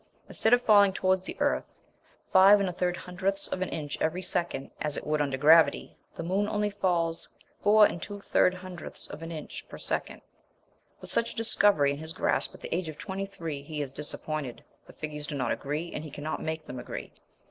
Instead of falling toward the earth 5 1/3 hundredths of an inch every second, as it would under gravity, the moon only falls 4 2/3 hundredths of an inch per second. With such a discovery in his grasp at the age of twenty three he is disappointed the figures do not agree, and he cannot make them agree.